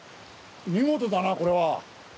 見事だなこれは。